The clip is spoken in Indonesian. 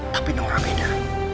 tapi naura beda